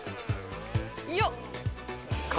よっ！